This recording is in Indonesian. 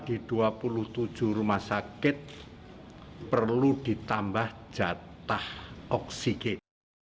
di dua puluh tujuh rumah sakit perlu ditambah jatah oksigen